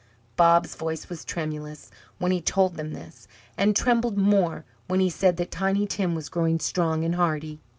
Bob's voice was tremulous when he told them this, and trembled more when he said that Tiny Tim was growing strong and hearty.